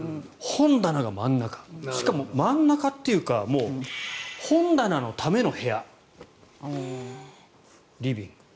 本棚が真ん中しかも真ん中というか本棚のための部屋、リビング。